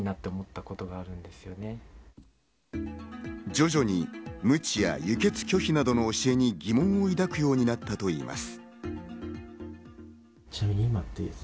徐々にムチや輸血拒否などの教えに疑問を抱くようになったといいます。